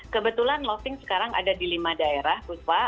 kebetulan lofting sekarang ada di lima daerah pusbah